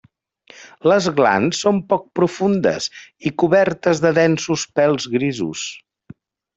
Les glans són poc profundes i cobertes de densos pèls grisos.